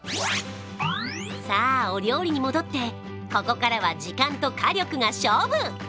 さあ、お料理に戻ってここからは時間と火力が勝負。